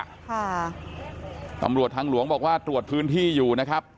ค่ะตำรวจทางหลวงบอกว่าตรวจพื้นที่อยู่นะครับ